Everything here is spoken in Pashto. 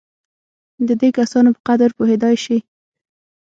د دې کسانو په قدر پوهېدای شي.